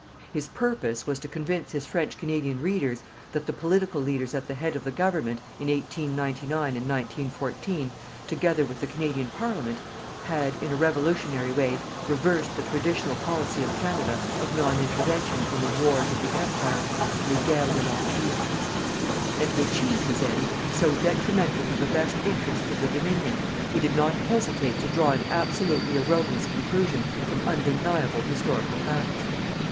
His purpose was to convince his French Canadian readers that the political leaders at the head of the Government, in 1899 and 1914, together with the Canadian Parliament, had, in a revolutionary way, reversed the traditional policy of Canada of non intervention in the "wars of the Empire" les guerres de l'empire. And to achieve his end, so detrimental to the best interests of the Dominion, he did not hesitate to draw an absolutely erroneous conclusion from undeniable historical facts.